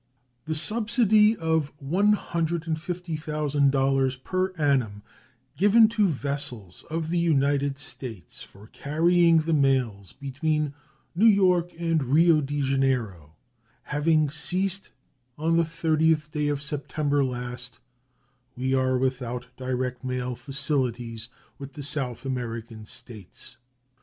The subsidy of $150,000 per annum given to vessels of the United States for carrying the mails between New York and Rio de Janeiro having ceased on the 30th day of September last, we are without direct mail facilities with the South American States.